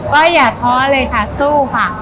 ก็อย่าท้อเลยค่ะสู้ค่ะ